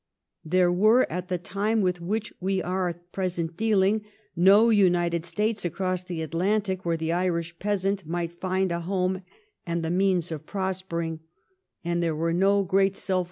There were, at the time with which we are at present dealing, no United States across the Atlantic where the Irish peasant might find a home and the means of prospering, and there were no great self 2 196 THE REIGN OF QUEEN ANNE. CH. xxx.